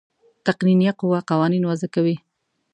تقنینیه قوه قوانین وضع کوي.